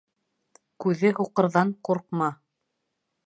Күҙе һуҡырҙан ҡурҡма